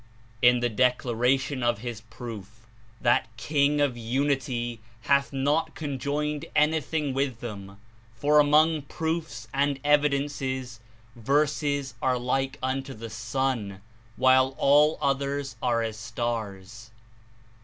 In the declaration of His proof, that King of Unity hath not conjoined anything with them, for among proofs and evidences Verses are like unto the sun, while all others are as stars.